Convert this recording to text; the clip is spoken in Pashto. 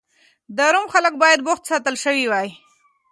د روم خلک باید بوخت ساتل شوي وای.